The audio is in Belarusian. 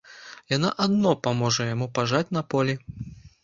Яна адно паможа яму пажаць на полі.